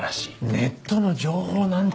ネットの情報なんて。